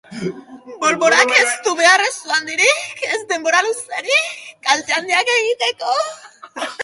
Bolborak ez du behar ez su handirik ez denbora luzerik kalte handiak egiteko.